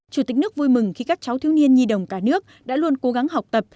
chủ tịch nước vui mừng khi các cháu thiếu niên nhi đồng cả nước đã luôn cố gắng học tập